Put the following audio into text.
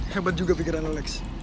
hebat juga pikiran lu lex